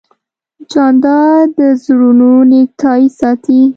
جانداد د زړونو نېکتایي ساتي.